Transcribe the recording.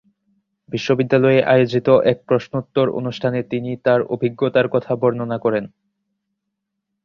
বিশ্ববিদ্যালয়ে আয়োজিত এক প্রশ্নোত্তর অনুষ্ঠানে তিনি তার অভিজ্ঞতার কথা বর্ণনা করেন।